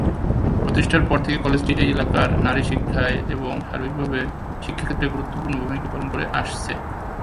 প্রতিষ্ঠার পর থেকে কলেজটি এই এলাকার নারী শিক্ষায় এবং সার্বিকভাবে শিক্ষাক্ষেত্রে গুরুত্বপূর্ণ ভূমিকা পালন করে আসছে।